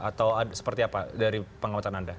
atau seperti apa dari pengamatan anda